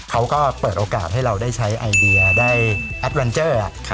เขาก็เปิดโอกาสให้เราได้ใช้ไอเดียได้แอดเวนเจอร์